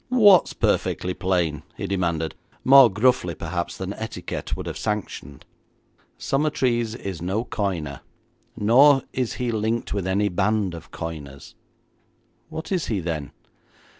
'What's perfectly plain?' he demanded, more gruffly perhaps than etiquette would have sanctioned. 'Summertrees is no coiner, nor is he linked with any band of coiners.' 'What is he, then?'